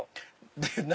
で何？